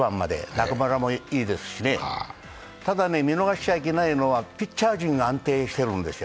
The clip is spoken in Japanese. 中村もいいですし、ただ見逃しちゃいけないのはピッチャー陣が安定してるんですよ。